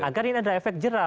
agar ini ada efek jerah